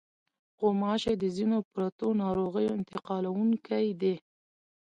غوماشې د ځینو پرتو ناروغیو انتقالوونکې دي.